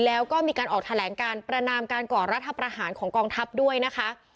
แล้วก็มีการออกแถลงการประนามการก่อรัฐประหารของกองทัพด้วยนะคะ